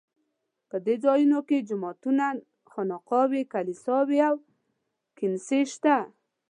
په دې ځایونو کې جوماتونه، خانقاوې، کلیساوې او کنیسې شته.